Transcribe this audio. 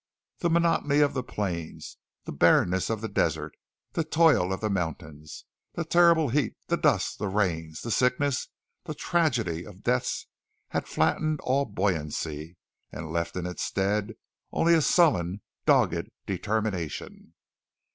The monotony of the plains, the barrenness of the desert, the toil of the mountains, the terrible heat, the dust, the rains, the sickness, the tragedy of deaths had flattened all buoyancy, and left in its stead only a sullen, dogged determination.